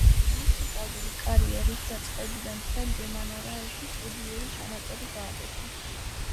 მუსიკალური კარიერის დაწყებიდან დღემდე მან არაერთი სტუდიური ჩანაწერი გააკეთა.